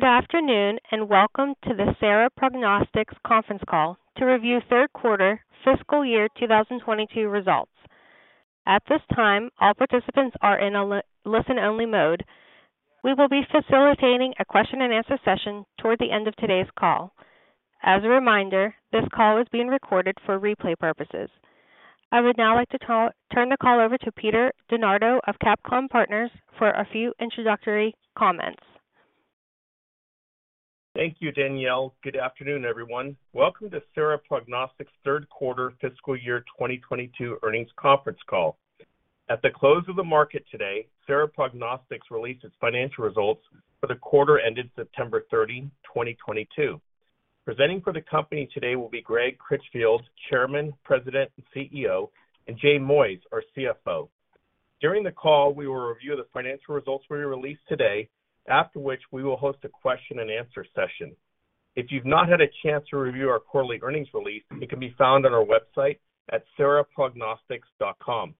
Good afternoon, and welcome to the Sera Prognostics conference call to review third quarter fiscal year 2022 results. At this time, all participants are in a listen-only mode. We will be facilitating a question-and-answer session toward the end of today's call. As a reminder, this call is being recorded for replay purposes. I would now like to turn the call over to Peter DeNardo of CapComm Partners for a few introductory comments. Thank you, Danielle. Good afternoon, everyone. Welcome to Sera Prognostics third quarter fiscal year 2022 earnings conference call. At the close of the market today, Sera Prognostics released its financial results for the quarter ended September 30, 2022. Presenting for the company today will be Greg Critchfield, Chairman, President, and CEO, and Jay Moyes, our CFO. During the call, we will review the financial results we released today, after which we will host a question-and-answer session. If you've not had a chance to review our quarterly earnings release, it can be found on our website at seraprognostics.com.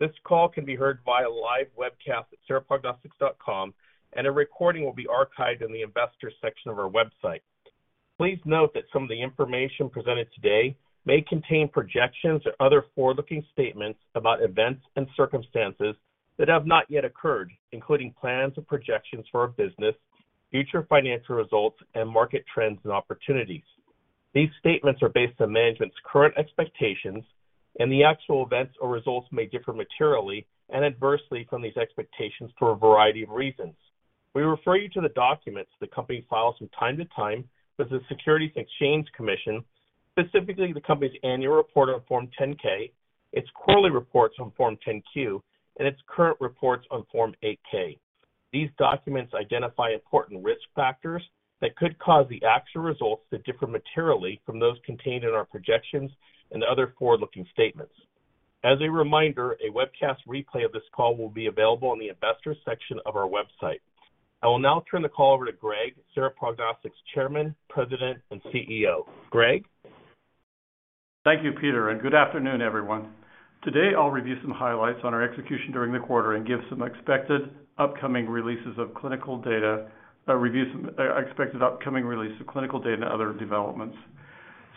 This call can be heard via live webcast at seraprognostics.com, and a recording will be archived in the investors section of our website. Please note that some of the information presented today may contain projections or other forward-looking statements about events and circumstances that have not yet occurred, including plans or projections for our business, future financial results, and market trends and opportunities. These statements are based on management's current expectations, and the actual events or results may differ materially and adversely from these expectations for a variety of reasons. We refer you to the documents the company files from time to time with the Securities and Exchange Commission, specifically the company's annual report on Form 10-K, its quarterly reports on Form 10-Q, and its current reports on Form 8-K. These documents identify important risk factors that could cause the actual results to differ materially from those contained in our projections and other forward-looking statements. As a reminder, a webcast replay of this call will be available on the investors section of our website. I will now turn the call over to Greg, Sera Prognostics Chairman, President, and CEO. Greg? Thank you, Peter, and good afternoon, everyone. Today, I'll review some highlights on our execution during the quarter and review some expected upcoming release of clinical data and other developments.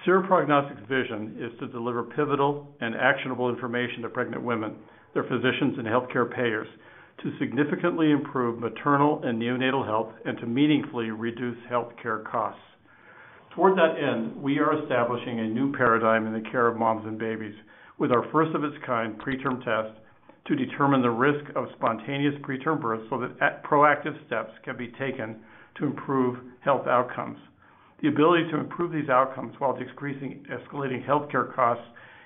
Sera Prognostics' vision is to deliver pivotal and actionable information to pregnant women, their physicians, and healthcare payers to significantly improve maternal and neonatal health and to meaningfully reduce healthcare costs. Toward that end, we are establishing a new paradigm in the care of moms and babies with our first-of-its-kind preterm test to determine the risk of spontaneous preterm birth so that proactive steps can be taken to improve health outcomes. The ability to improve these outcomes while decreasing escalating healthcare costs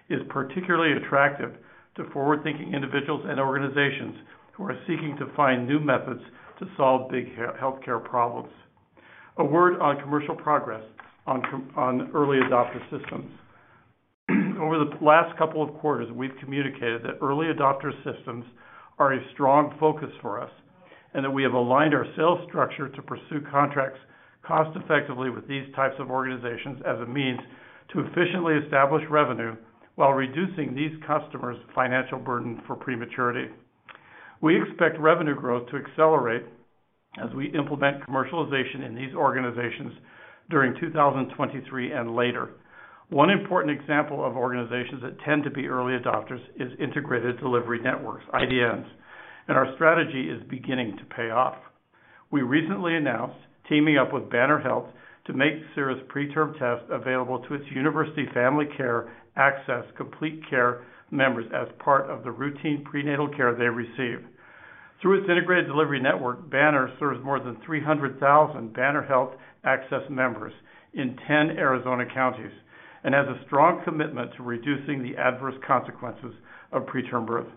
is particularly attractive to forward-thinking individuals and organizations who are seeking to find new methods to solve big healthcare problems. A word on commercial progress on early adopter systems. Over the last couple of quarters, we've communicated that early adopter systems are a strong focus for us and that we have aligned our sales structure to pursue contracts cost-effectively with these types of organizations as a means to efficiently establish revenue while reducing these customers' financial burden for prematurity. We expect revenue growth to accelerate as we implement commercialization in these organizations during 2023 and later. One important example of organizations that tend to be early adopters is integrated delivery networks, IDNs, and our strategy is beginning to pay off. We recently announced teaming up with Banner Health to make Sera's preterm test available to its Banner – University Family Care/AHCCCS Complete Care members as part of the routine prenatal care they receive. Through its integrated delivery network, Banner Health serves more than 300,000 Banner Health Access members in 10 Arizona counties and has a strong commitment to reducing the adverse consequences of preterm birth.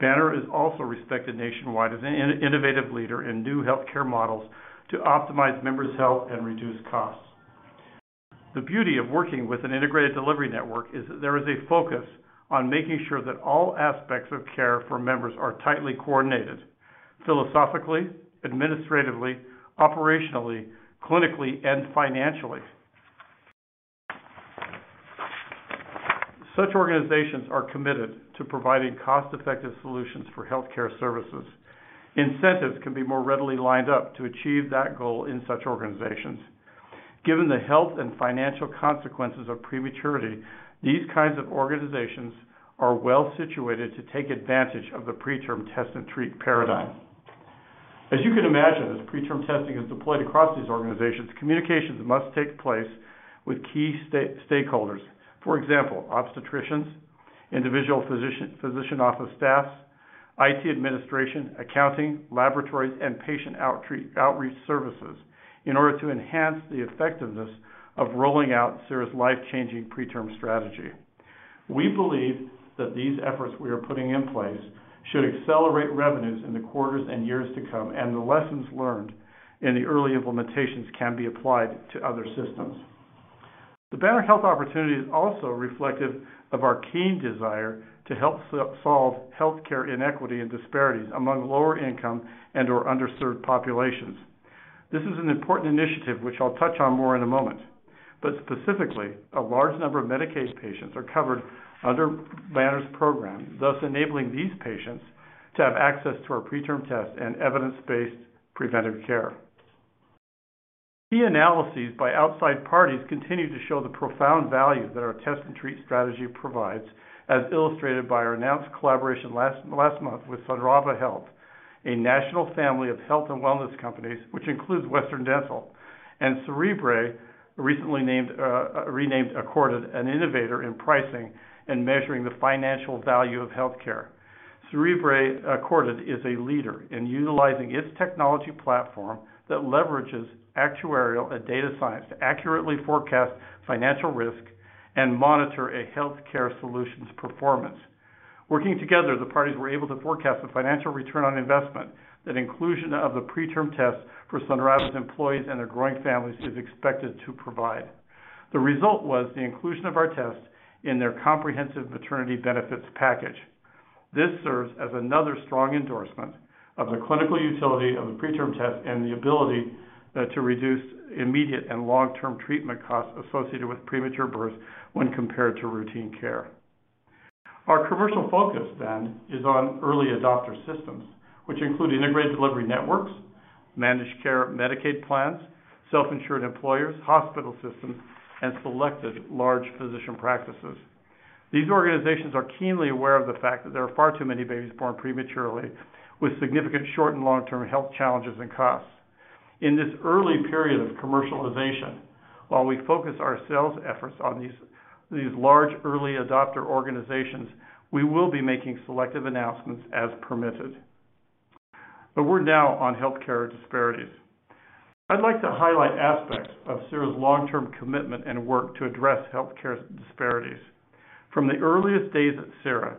Banner Health is also respected nationwide as an innovative leader in new healthcare models to optimize members' health and reduce costs. The beauty of working with an integrated delivery network is that there is a focus on making sure that all aspects of care for members are tightly coordinated, philosophically, administratively, operationally, clinically, and financially. Such organizations are committed to providing cost-effective solutions for healthcare services. Incentives can be more readily lined up to achieve that goal in such organizations. Given the health and financial consequences of prematurity, these kinds of organizations are well-situated to take advantage of the preterm test-and-treat paradigm. As you can imagine, as preterm testing is deployed across these organizations, communications must take place with key stakeholders. For example, obstetricians, individual physician office staffs, IT administration, accounting, laboratories, and patient outreach services in order to enhance the effectiveness of rolling out Sera's life-changing preterm strategy. We believe that these efforts we are putting in place should accelerate revenues in the quarters and years to come, and the lessons learned in the early implementations can be applied to other systems. The Banner Health opportunity is also reflective of our keen desire to help solve healthcare inequity and disparities among lower income and/or underserved populations. This is an important initiative, which I'll touch on more in a moment. Specifically, a large number of Medicaid patients are covered under Banner's program, thus enabling these patients to have access to our preterm test and evidence-based preventive care. Key analyses by outside parties continue to show the profound value that our test-and-treat strategy provides, as illustrated by our announced collaboration last month with Sonrava Health, a national family of health and wellness companies, which includes Western Dental & Orthodontics, and Cerebrae, recently renamed Accorded, an innovator in pricing and measuring the financial value of healthcare. Cerebrae Accorded is a leader in utilizing its technology platform that leverages actuarial and data science to accurately forecast financial risk and monitor a healthcare solution's performance. Working together, the parties were able to forecast the financial return on investment that inclusion of the PreTRM Test for Sonrava's employees and their growing families is expected to provide. The result was the inclusion of our test in their comprehensive maternity benefits package. This serves as another strong endorsement of the clinical utility of the preterm test and the ability to reduce immediate and long-term treatment costs associated with premature birth when compared to routine care. Our commercial focus then is on early adopter systems, which include integrated delivery networks, managed care Medicaid plans, self-insured employers, hospital systems and selected large physician practices. These organizations are keenly aware of the fact that there are far too many babies born prematurely with significant short and long-term health challenges and costs. In this early period of commercialization, while we focus our sales efforts on these large early adopter organizations, we will be making selective announcements as permitted. A word now on healthcare disparities. I'd like to highlight aspects of Sera's long-term commitment and work to address healthcare disparities. From the earliest days at Sera,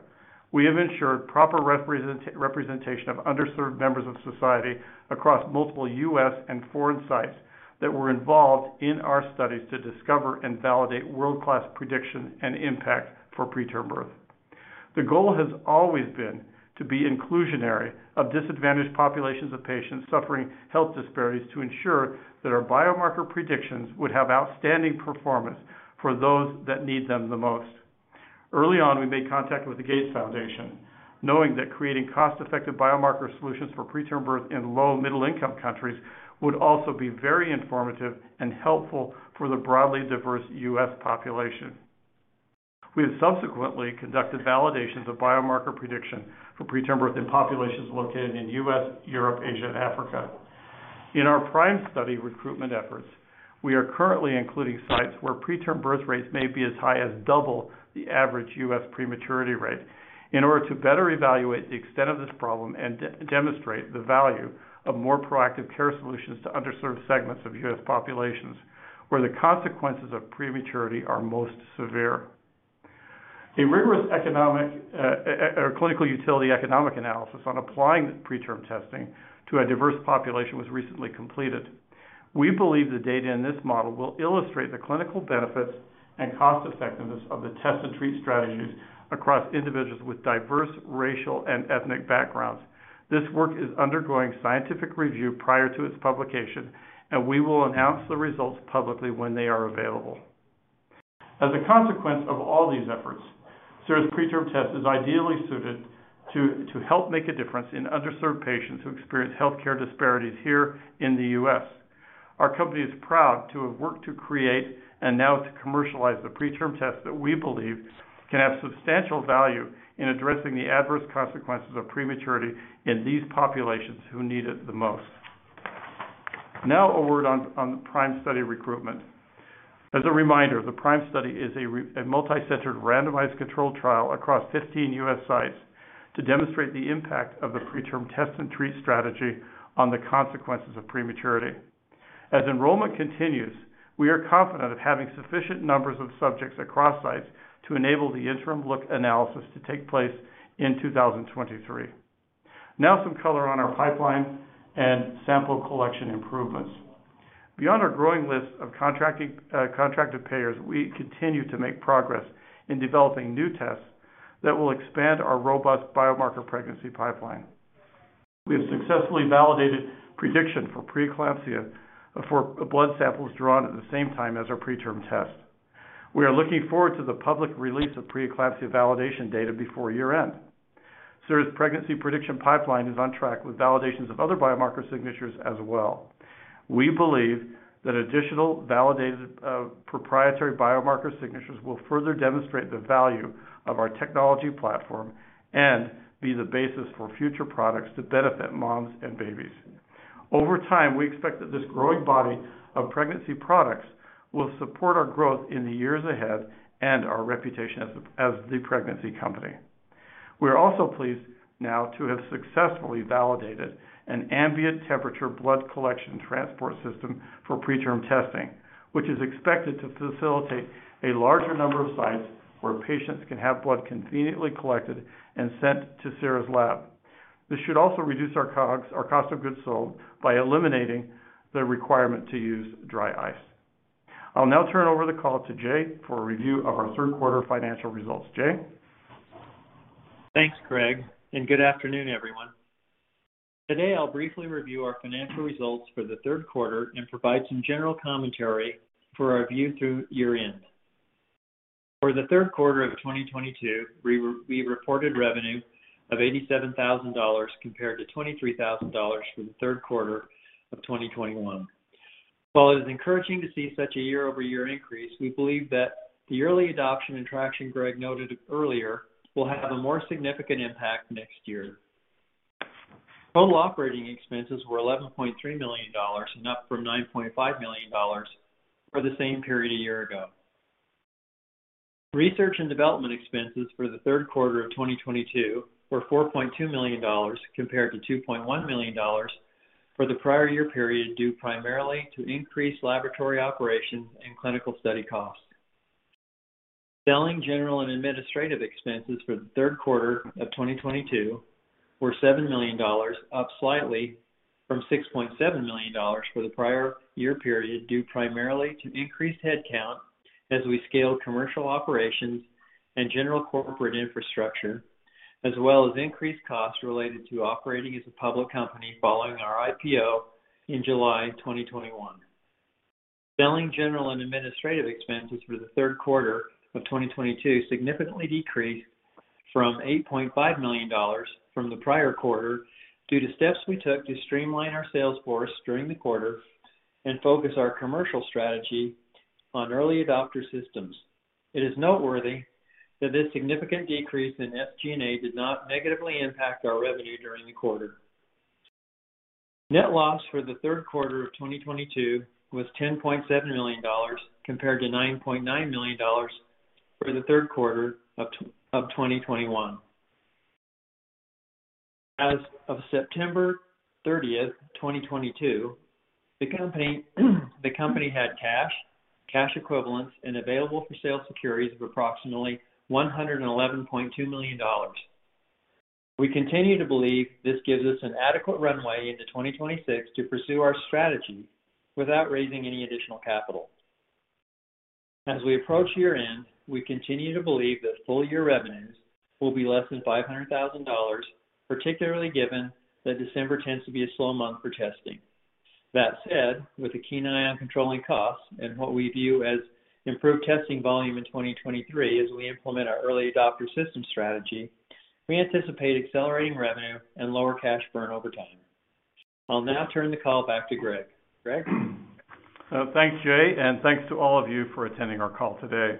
we have ensured proper representation of underserved members of society across multiple U.S. and foreign sites that were involved in our studies to discover and validate world-class prediction and impact for preterm birth. The goal has always been to be inclusionary of disadvantaged populations of patients suffering health disparities to ensure that our biomarker predictions would have outstanding performance for those that need them the most. Early on, we made contact with the Gates Foundation, knowing that creating cost-effective biomarker solutions for preterm birth in low- and middle-income countries would also be very informative and helpful for the broadly diverse U.S. population. We have subsequently conducted validations of biomarker prediction for preterm birth in populations located in U.S., Europe, Asia, and Africa. In our PRIME study recruitment efforts, we are currently including sites where preterm birth rates may be as high as double the average U.S. prematurity rate in order to better evaluate the extent of this problem and demonstrate the value of more proactive care solutions to underserved segments of U.S. populations, where the consequences of prematurity are most severe. A rigorous clinical utility economic analysis on applying this preterm testing to a diverse population was recently completed. We believe the data in this model will illustrate the clinical benefits and cost effectiveness of the test and treat strategies across individuals with diverse racial and ethnic backgrounds. This work is undergoing scientific review prior to its publication, and we will announce the results publicly when they are available. As a consequence of all these efforts, Sera's preterm test is ideally suited to help make a difference in underserved patients who experience healthcare disparities here in the U.S. Our company is proud to have worked to create and now to commercialize the preterm test that we believe can have substantial value in addressing the adverse consequences of prematurity in these populations who need it the most. Now a word on the PRIME study recruitment. As a reminder, the PRIME study is a multicenter randomized controlled trial across 15 U.S. sites to demonstrate the impact of the preterm test and treat strategy on the consequences of prematurity. As enrollment continues, we are confident of having sufficient numbers of subjects across sites to enable the interim look analysis to take place in 2023. Now some color on our pipeline and sample collection improvements. Beyond our growing list of contracting, contracted payers, we continue to make progress in developing new tests that will expand our robust biomarker pregnancy pipeline. We have successfully validated prediction for preeclampsia for blood samples drawn at the same time as our preterm test. We are looking forward to the public release of preeclampsia validation data before year-end. Sera's pregnancy prediction pipeline is on track with validations of other biomarker signatures as well. We believe that additional validated, proprietary biomarker signatures will further demonstrate the value of our technology platform and be the basis for future products to benefit moms and babies. Over time, we expect that this growing body of pregnancy products will support our growth in the years ahead and our reputation as the pregnancy company. We are also pleased now to have successfully validated an ambient temperature blood collection transport system for preterm testing, which is expected to facilitate a larger number of sites where patients can have blood conveniently collected and sent to Sera's lab. This should also reduce our COGS, our cost of goods sold, by eliminating the requirement to use dry ice. I'll now turn over the call to Jay for a review of our third quarter financial results. Jay? Thanks, Greg, and good afternoon, everyone. Today, I'll briefly review our financial results for the third quarter and provide some general commentary for our view through year-end. For the third quarter of 2022, we reported revenue of $87,000 compared to $23,000 for the third quarter of 2021. While it is encouraging to see such a year-over-year increase, we believe that the early adoption and traction Greg noted earlier will have a more significant impact next year. Total operating expenses were $11.3 million, up from $9.5 million for the same period a year ago. Research and development expenses for the third quarter of 2022 were $4.2 million compared to $2.1 million for the prior year period, due primarily to increased laboratory operations and clinical study costs. Selling, general, and administrative expenses for the third quarter of 2022 were $7 million, up slightly from $6.7 million for the prior year period, due primarily to increased headcount as we scale commercial operations and general corporate infrastructure, as well as increased costs related to operating as a public company following our IPO in July 2021. Selling, general, and administrative expenses for the third quarter of 2022 significantly decreased from $8.5 million for the prior quarter due to steps we took to streamline our sales force during the quarter and focus our commercial strategy on early adopter systems. It is noteworthy that this significant decrease in SG&A did not negatively impact our revenue during the quarter. Net loss for the third quarter of 2022 was $10.7 million compared to $9.9 million for the third quarter of 2021. As of September 30, 2022, the company had cash equivalents, and available for sale securities of approximately $111.2 million. We continue to believe this gives us an adequate runway into 2026 to pursue our strategy without raising any additional capital. As we approach year-end, we continue to believe that full year revenues will be less than $500,000, particularly given that December tends to be a slow month for testing. That said, with a keen eye on controlling costs and what we view as improved testing volume in 2023 as we implement our early adopter system strategy, we anticipate accelerating revenue and lower cash burn over time. I'll now turn the call back to Greg. Greg? Thanks, Jay, and thanks to all of you for attending our call today.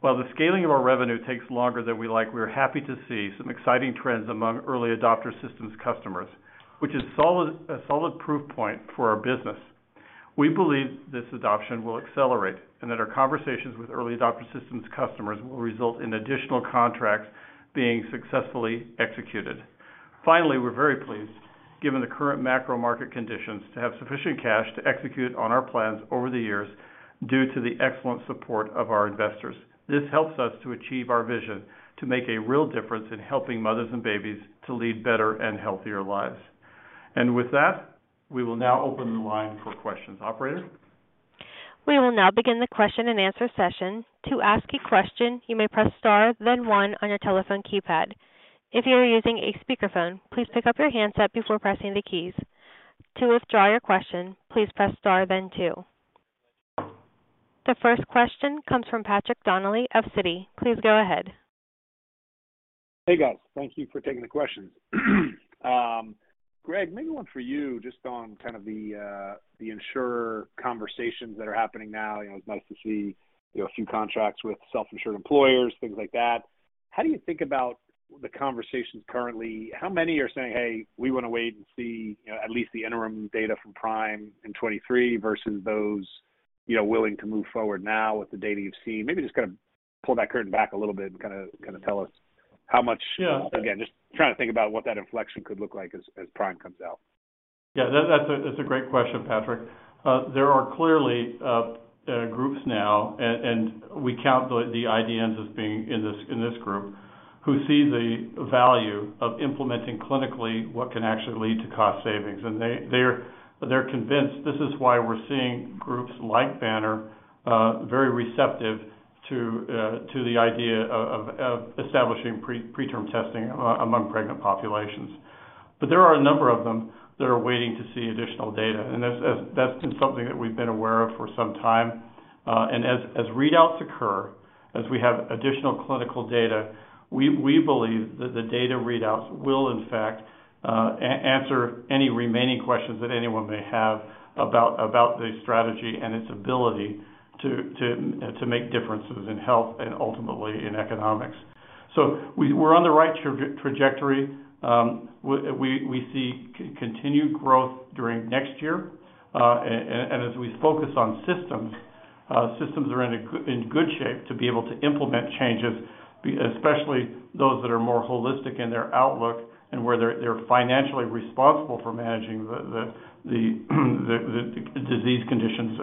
While the scaling of our revenue takes longer than we like, we're happy to see some exciting trends among early adopter systems customers, which is solid, a solid proof point for our business. We believe this adoption will accelerate, and that our conversations with early adopter systems customers will result in additional contracts being successfully executed. Finally, we're very pleased, given the current macro market conditions, to have sufficient cash to execute on our plans over the years due to the excellent support of our investors. This helps us to achieve our vision to make a real difference in helping mothers and babies to lead better and healthier lives. With that, we will now open the line for questions. Operator? We will now begin the question-and-answer session. To ask a question, you may press star then one on your telephone keypad. If you are using a speakerphone, please pick up your handset before pressing the keys. To withdraw your question, please press star then two. The first question comes from Patrick Donnelly of Citi. Please go ahead. Hey, guys. Thank you for taking the questions. Greg, maybe one for you just on kind of the insurer conversations that are happening now. You know, it's nice to see, you know, a few contracts with self-insured employers, things like that. How do you think about the conversations currently? How many are saying, "Hey, we wanna wait and see, you know, at least the interim data from PRIME in 2023," versus those, you know, willing to move forward now with the data you've seen? Maybe just kinda pull that curtain back a little bit and kinda tell us how much- Yeah. Again, just trying to think about what that inflection could look like as PRIME comes out. Yeah, that's a great question, Patrick. There are clearly groups now, and we count the IDNs as being in this group, who see the value of implementing clinically what can actually lead to cost savings. They're convinced this is why we're seeing groups like Banner very receptive to the idea of establishing preterm testing among pregnant populations. There are a number of them that are waiting to see additional data, and that's been something that we've been aware of for some time. As readouts occur, as we have additional clinical data, we believe that the data readouts will in fact answer any remaining questions that anyone may have about the strategy and its ability to make differences in health and ultimately in economics. We're on the right trajectory. We see continued growth during next year. As we focus on systems are in good shape to be able to implement changes especially those that are more holistic in their outlook and where they're financially responsible for managing the disease conditions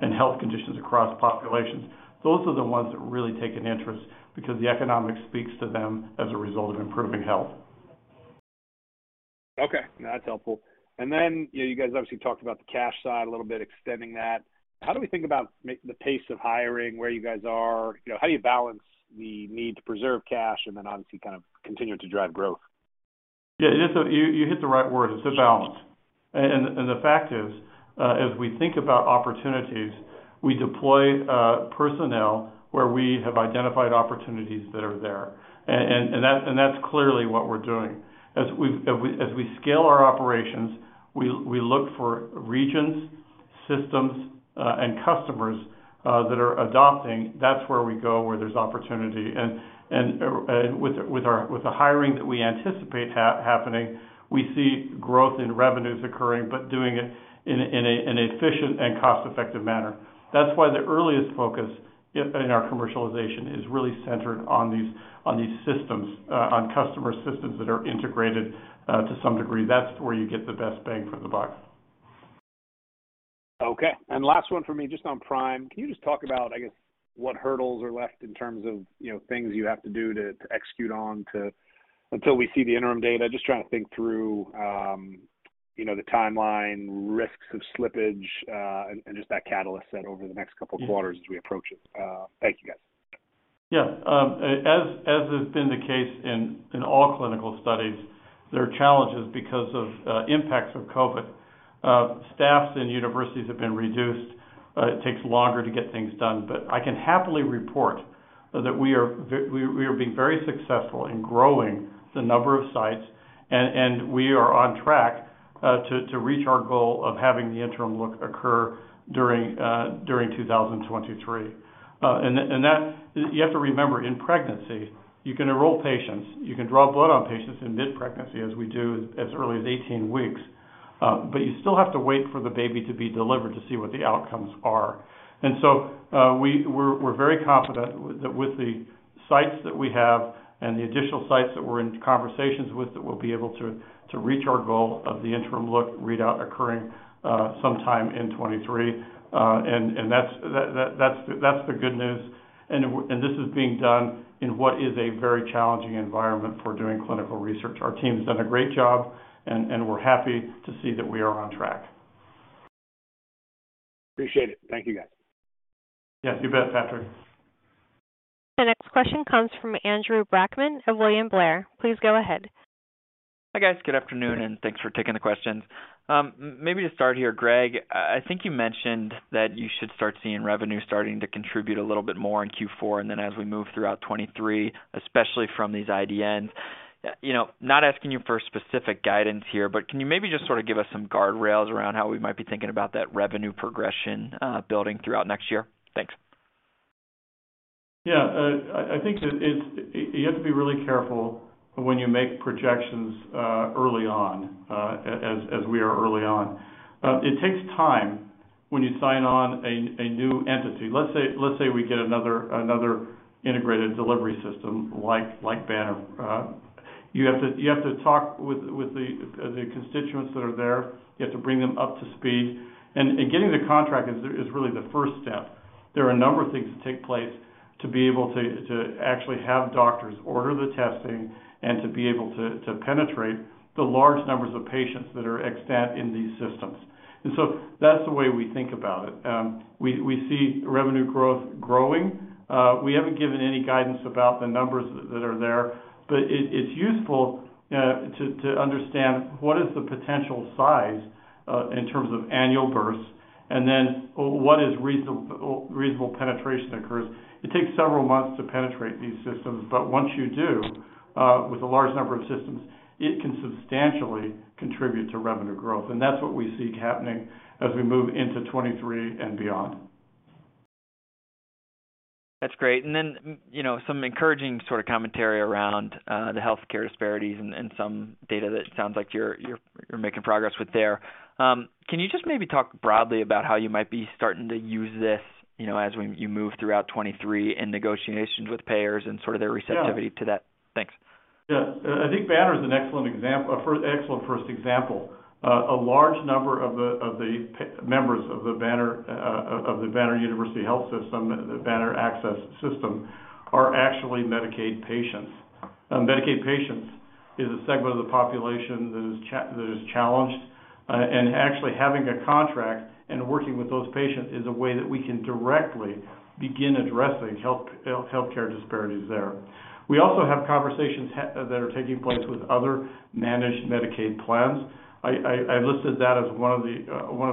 and health conditions across populations. Those are the ones that really take an interest because the economics speaks to them as a result of improving health. Okay. No, that's helpful. You know, you guys obviously talked about the cash side a little bit, extending that. How do we think about the pace of hiring, where you guys are? You know, how do you balance the need to preserve cash and then obviously kind of continue to drive growth? Yeah, it is. You hit the right word, it's a balance. The fact is, as we think about opportunities, we deploy personnel where we have identified opportunities that are there. That's clearly what we're doing. As we scale our operations, we look for regions, systems, and customers that are adopting. That's where we go where there's opportunity. With the hiring that we anticipate happening, we see growth in revenues occurring, but doing it in an efficient and cost-effective manner. That's why the earliest focus in our commercialization is really centered on these customer systems that are integrated to some degree. That's where you get the best bang for the buck. Okay. Last one for me, just on PRIME. Can you just talk about, I guess, what hurdles are left in terms of, you know, things you have to do to execute on until we see the interim data? Just trying to think through, you know, the timeline, risks of slippage, and just that catalyst then over the next couple of quarters as we approach it. Thank you, guys. Yeah. As has been the case in all clinical studies, there are challenges because of impacts of COVID. Staffs in universities have been reduced. It takes longer to get things done. I can happily report that we are being very successful in growing the number of sites and we are on track to reach our goal of having the interim look occur during 2023. You have to remember, in pregnancy, you can enroll patients, you can draw blood on patients in mid pregnancy, as we do as early as 18 weeks, but you still have to wait for the baby to be delivered to see what the outcomes are. We're very confident with the sites that we have and the additional sites that we're in conversations with, that we'll be able to reach our goal of the interim look readout occurring sometime in 2023. That's the good news. This is being done in what is a very challenging environment for doing clinical research. Our team has done a great job and we're happy to see that we are on track. Appreciate it. Thank you, guys. Yeah, you bet, Patrick. The next question comes from Andrew Brackmann of William Blair. Please go ahead. Hi, guys. Good afternoon, and thanks for taking the questions. Maybe to start here, Greg, I think you mentioned that you should start seeing revenue starting to contribute a little bit more in Q4, and then as we move throughout 2023, especially from these IDNs. You know, not asking you for specific guidance here, but can you maybe just sort of give us some guardrails around how we might be thinking about that revenue progression, building throughout next year? Thanks. I think that it's you have to be really careful when you make projections early on, as we are early on. It takes time when you sign on a new entity. Let's say we get another integrated delivery system like Banner. You have to talk with the constituents that are there. You have to bring them up to speed. Getting the contract is really the first step. There are a number of things that take place to actually have doctors order the testing and to penetrate the large numbers of patients that are extant in these systems. That's the way we think about it. We see revenue growth growing. We haven't given any guidance about the numbers that are there, but it's useful to understand what is the potential size in terms of annual births, and then what is reasonable penetration occurs. It takes several months to penetrate these systems, but once you do, with a large number of systems, it can substantially contribute to revenue growth. That's what we seek happening as we move into 2023 and beyond. That's great. Then, you know, some encouraging sort of commentary around the healthcare disparities and some data that sounds like you're making progress with there. Can you just maybe talk broadly about how you might be starting to use this, you know, as you move throughout 2023 in negotiations with payers and sort of their receptivity to that? Yeah. Thanks. Yeah. I think Banner is an excellent first example. A large number of the members of the Banner University Health system, the Banner Access system, are actually Medicaid patients. Medicaid patients is a segment of the population that is challenged. Actually having a contract and working with those patients is a way that we can directly begin addressing health care disparities there. We also have conversations that are taking place with other managed Medicaid plans. I listed that as one of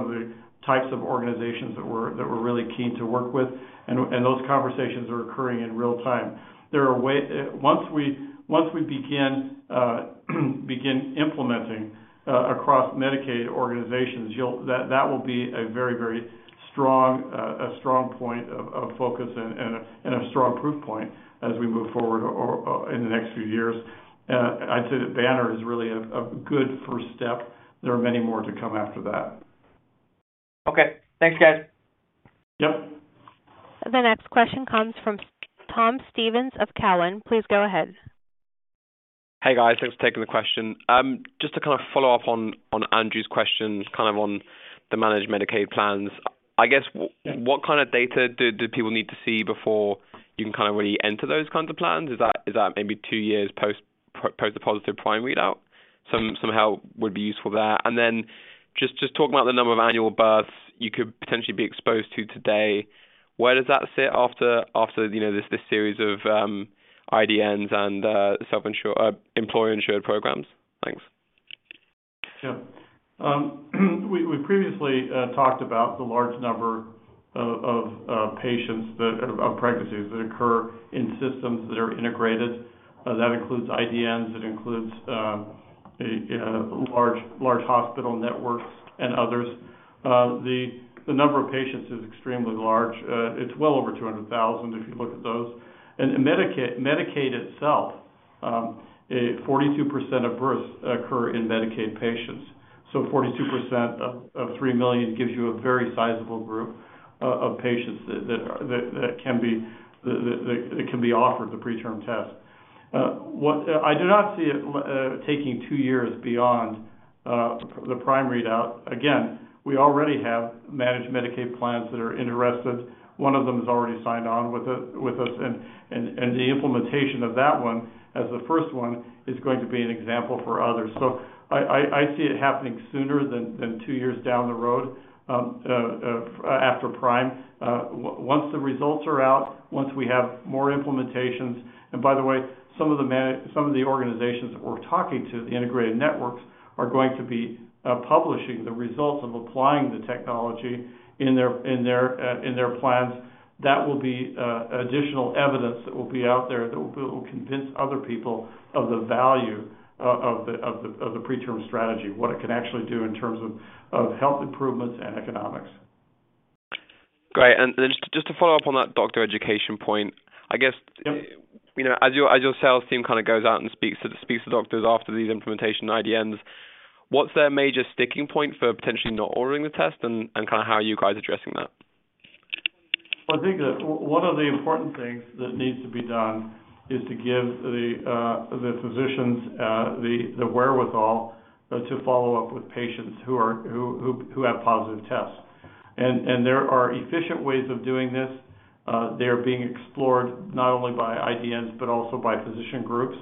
the types of organizations that we're really keen to work with, and those conversations are occurring in real time. Once we begin implementing across Medicaid organizations, that will be a very strong point of focus and a strong proof point as we move forward over in the next few years. I'd say that Banner is really a good first step. There are many more to come after that. Okay. Thanks, guys. Yep. The next question comes from Tom Stevens of Cowen. Please go ahead. Hey, guys. Thanks for taking the question. Just to kind of follow up on Andrew's questions, kind of on- The managed Medicaid plans. I guess what kind of data do people need to see before you can kind of really enter those kinds of plans? Is that maybe two years post a positive PRIME readout? Somehow would be useful there. Then just talk about the number of annual births you could potentially be exposed to today. Where does that sit after you know this series of IDNs and self-insured employer-insured programs? Thanks. Yeah. We previously talked about the large number of pregnancies that occur in systems that are integrated that includes IDNs that includes you know large hospital networks and others. The number of patients is extremely large. It's well over 200,000 if you look at those. Medicaid itself, 42% of births occur in Medicaid patients. 42% of 3 million gives you a very sizable group of patients that can be offered the PreTRM Test. I do not see it taking two years beyond the PRIME readout. Again, we already have managed Medicaid plans that are interested. One of them has already signed on with us, and the implementation of that one as the first one is going to be an example for others. I see it happening sooner than two years down the road after PRIME. Once the results are out, once we have more implementations. By the way, some of the organizations that we're talking to, the integrated networks, are going to be publishing the results of applying the technology in their plans. That will be additional evidence that will be out there that will convince other people of the value of the preterm strategy, what it can actually do in terms of health improvements and economics. Great. Just to follow up on that doctor education point, I guess. Yeah. You know, as your sales team kind of goes out and speaks to doctors after these implementation IDNs, what's their major sticking point for potentially not ordering the test and kind of how are you guys addressing that? Well, I think that one of the important things that needs to be done is to give the physicians the wherewithal to follow up with patients who have positive tests. There are efficient ways of doing this. They are being explored not only by IDNs but also by physician groups.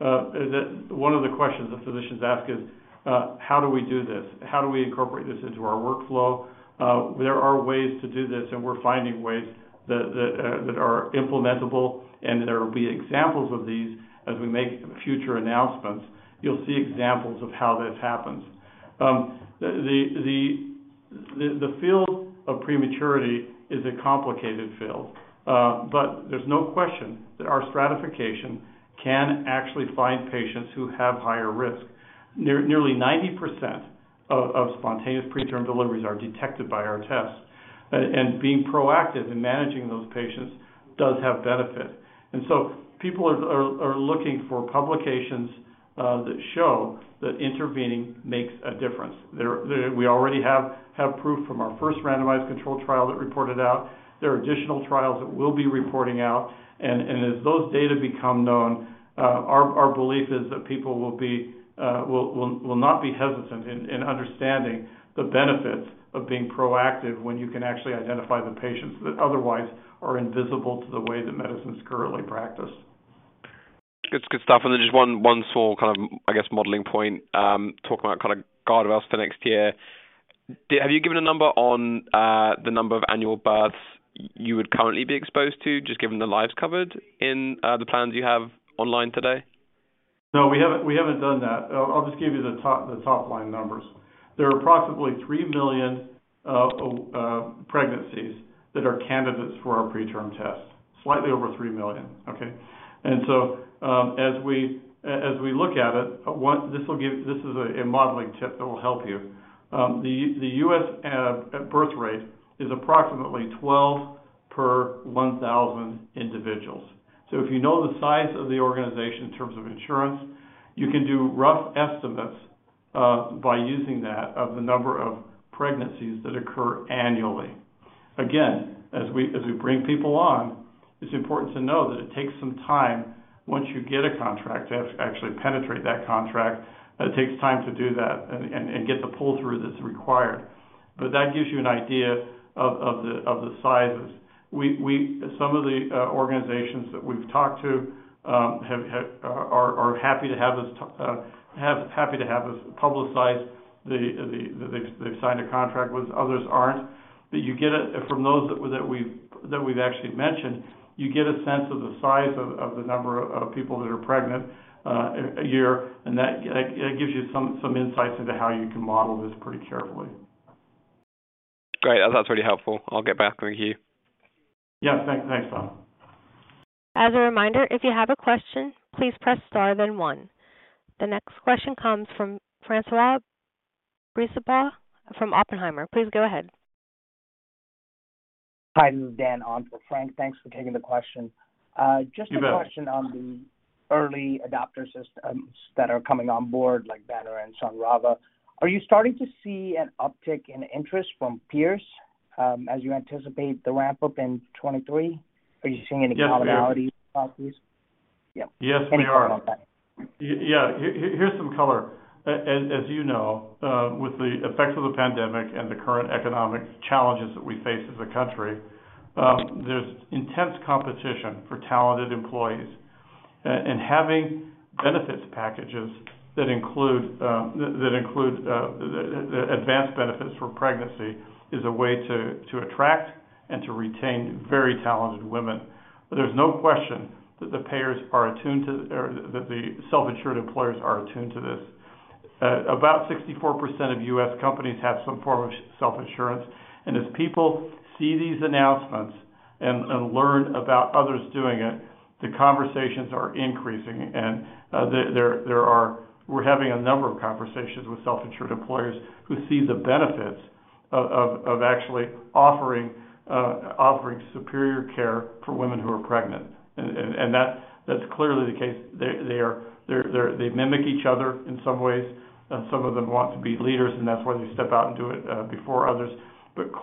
One of the questions that physicians ask is, how do we do this? How do we incorporate this into our workflow? There are ways to do this, and we're finding ways that are implementable and there will be examples of these as we make future announcements. You'll see examples of how this happens. The field of prematurity is a complicated field, but there's no question that our stratification can actually find patients who have higher risk. Nearly 90% of spontaneous preterm deliveries are detected by our tests. Being proactive in managing those patients does have benefit. People are looking for publications that show that intervening makes a difference. We already have proof from our first randomized controlled trial that reported out. There are additional trials that we'll be reporting out. As those data become known, our belief is that people will not be hesitant in understanding the benefits of being proactive when you can actually identify the patients that otherwise are invisible to the way that medicine is currently practiced. Good stuff. Just one small kind of, I guess, modeling point. Talking about kind of guardrails for next year. Have you given a number on the number of annual births you would currently be exposed to just given the lives covered in the plans you have online today? No, we haven't done that. I'll just give you the top-line numbers. There are approximately 3 million pregnancies that are candidates for our PreTRM Test. Slightly over 3 million, okay? As we look at it, this is a modeling tip that will help you. The U.S. birth rate is approximately 12 per 1,000 individuals. So if you know the size of the organization in terms of insurance, you can do rough estimates by using that of the number of pregnancies that occur annually. Again, as we bring people on, it's important to know that it takes some time once you get a contract to actually penetrate that contract. It takes time to do that and get the pull-through that's required. That gives you an idea of the sizes. Some of the organizations that we've talked to are happy to have us publicize that they've signed a contract, others aren't. From those that we've actually mentioned, you get a sense of the size of the number of people that are pregnant a year, and that gives you some insights into how you can model this pretty carefully. Great. That's really helpful. I'll get back with you. Yes. Thanks. Thanks, Tom. As a reminder, if you have a question, please press star then one. The next question comes from François Brisebois from Oppenheimer. Please go ahead. Hi, this is Dan on for François Brisebois. Thanks for taking the question. You bet. Just a question on the early adopter systems that are coming on board, like Banner and Sonrava. Are you starting to see an uptick in interest from peers, as you anticipate the ramp-up in 2023? Are you seeing any commonalities? Yes, we are. Yeah. Here's some color. As you know, with the effects of the pandemic and the current economic challenges that we face as a country, there's intense competition for talented employees. Having benefits packages that include advanced benefits for pregnancy is a way to attract and to retain very talented women. There's no question that the payers are attuned to or that the self-insured employers are attuned to this. About 64% of U.S. companies have some form of self-insurance. As people see these announcements and learn about others doing it, the conversations are increasing. We're having a number of conversations with self-insured employers who see the benefits of actually offering superior care for women who are pregnant. That's clearly the case. They mimic each other in some ways, and some of them want to be leaders, and that's why they step out and do it before others.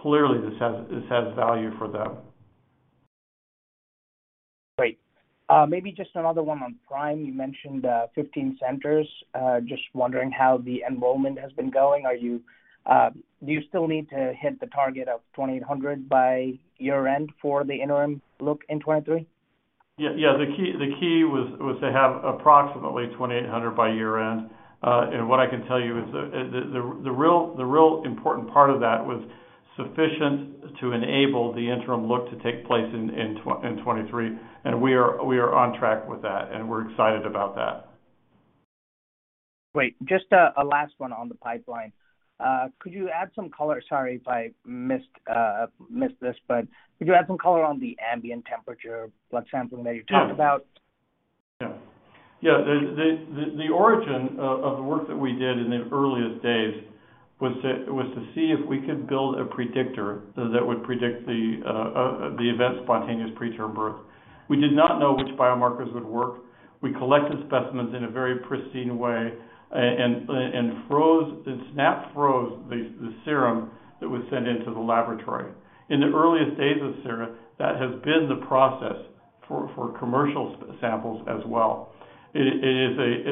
Clearly this has value for them. Great. Maybe just another one on PRIME. You mentioned 15 centers. Just wondering how the enrollment has been going. Do you still need to hit the target of 2,800 by year-end for the interim look in 2023? Yeah. The key was to have approximately 2,800 by year-end. What I can tell you is the real important part of that was sufficient to enable the interim look to take place in 2023. We are on track with that, and we're excited about that. Great. Just a last one on the pipeline. Could you add some color. Sorry if I missed this, but could you add some color on the ambient temperature blood sampling that you talked about? The origin of the work that we did in the earliest days was to see if we could build a predictor that would predict the event spontaneous preterm birth. We did not know which biomarkers would work. We collected specimens in a very pristine way and snap-froze the serum that was sent into the laboratory. In the earliest days of Sera, that has been the process for commercial samples as well. It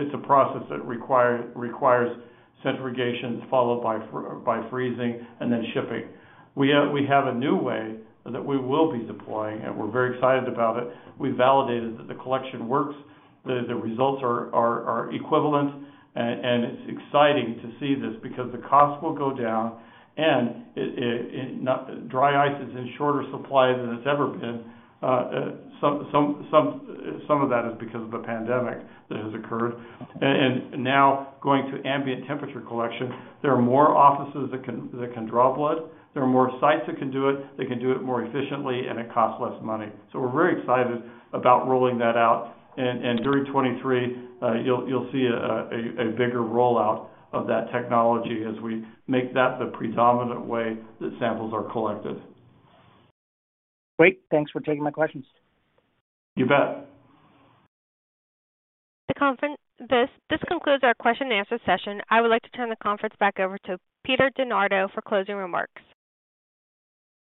is a process that requires centrifugation followed by freezing and then shipping. We have a new way that we will be deploying, and we're very excited about it. We validated that the collection works, the results are equivalent. It's exciting to see this because the cost will go down. Dry ice is in shorter supply than it's ever been. Some of that is because of the pandemic that has occurred. Now going to ambient temperature collection, there are more offices that can draw blood. There are more sites that can do it. They can do it more efficiently, and it costs less money. We're very excited about rolling that out. During 2023, you'll see a bigger rollout of that technology as we make that the predominant way that samples are collected. Great. Thanks for taking my questions. You bet. This concludes our question and answer session. I would like to turn the conference back over to Peter DeNardo for closing remarks.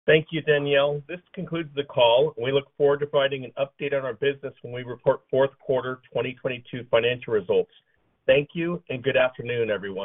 Thank you, Danielle. This concludes the call. We look forward to providing an update on our business when we report fourth quarter 2022 financial results. Thank you and good afternoon, everyone.